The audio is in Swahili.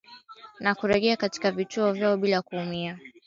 na kurejea katika vituo vyao bila kuumia